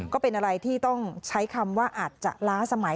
ก็เป็นอะไรที่ต้องใช้คำว่าอาจจะล้าสมัย